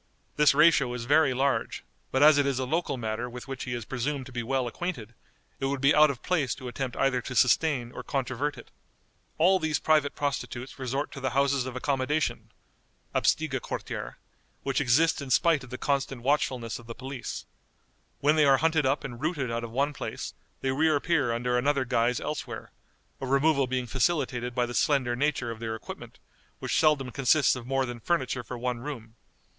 This ratio is very large, but as it is a local matter with which he is presumed to be well acquainted, it would be out of place to attempt either to sustain or controvert it. All these private prostitutes resort to the houses of accommodation (Absteigequartiere), which exist in spite of the constant watchfulness of the police. When they are hunted up and rooted out of one place, they reappear under another guise elsewhere; a removal being facilitated by the slender nature of their equipment, which seldom consists of more than furniture for one room.